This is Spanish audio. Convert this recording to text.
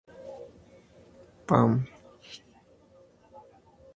Pam St.